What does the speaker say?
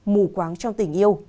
mù quáng trong tình yêu